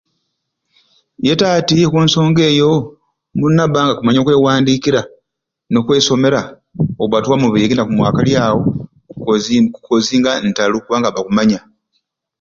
Yete ati okunsonga eyo omuntu nabba nga amaite okwewandiikira n'okwesomera obba tiwamubeyege na kumwakalyawo kukozi kukozinga ntalo kubanga abba akumanya.